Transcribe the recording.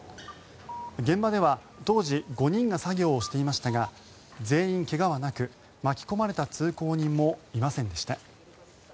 現場では、当時５人が作業していましたが全員怪我はなく巻き込まれた通行人もいませんでした。